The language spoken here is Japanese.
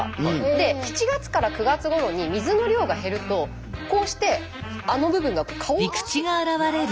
で７月から９月ごろに水の量が減るとこうしてあの部分が顔を出してくる。